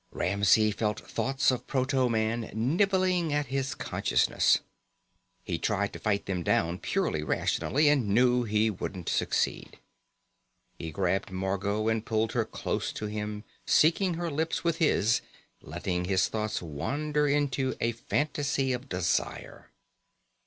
Ramsey felt thoughts of proto man nibbling at his consciousness. He tried to fight them down purely rationally, and knew he wouldn't succeed. He grabbed Margot and pulled her close to him, seeking her lips with his, letting his thoughts wander into a fantasy of desire.